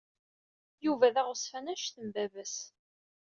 Yuba d aɣezfan anect n baba-s.